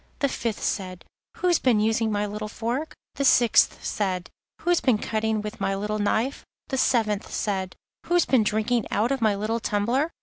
The fifth said: 'Who's been using my little fork?' The sixth said: 'Who's been cutting with my little knife?' The seventh said: 'Who's been drinking out of my little tumbler?